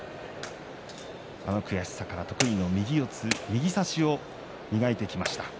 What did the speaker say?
あの悔しさから得意の右四つ、右差しを磨いてきました。